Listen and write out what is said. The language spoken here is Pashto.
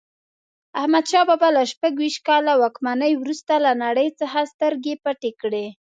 احمدشاه بابا له شپږویشت کاله واکمنۍ وروسته له نړۍ څخه سترګې پټې کړې.